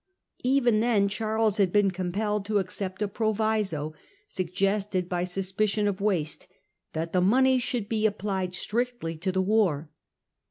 Even then Charles had been compelled to accept a proviso, sug^sted by suspicion of waste, that the money should be applied strictly to the war.